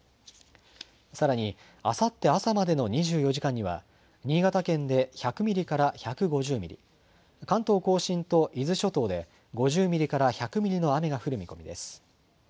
さらにあさって朝までの２４時間には、新潟県で１００ミリから１５０ミリ、関東甲信と伊豆諸島で５０ミリから１００ミリの雨が降る見込みです。